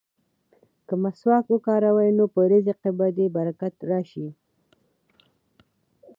که مسواک وکاروې نو په رزق کې به دې برکت راشي.